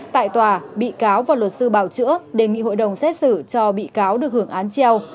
tại tòa bị cáo và luật sư bào chữa đề nghị hội đồng xét xử cho bị cáo được hưởng án treo